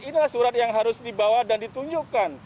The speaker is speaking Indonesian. inilah surat yang harus dibawa dan ditunjukkan